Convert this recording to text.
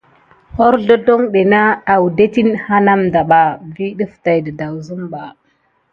Horzlozloŋ adetine anamdaba agate kusan dirick abosuko.